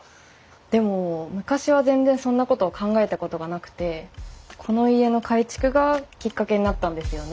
でも昔は全然そんなことを考えたことがなくてこの家の改築がきっかけになったんですよね。